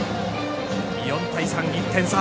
４対３、１点差。